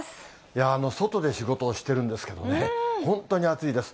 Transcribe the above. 外で仕事をしてるんですけどね、本当に暑いです。